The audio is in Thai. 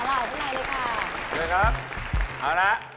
ขอบคุณครับ